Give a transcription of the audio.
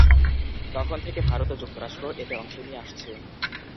তখন থেকে ভারত ও যুক্তরাষ্ট্র এতে অংশ নিয়ে আসছে।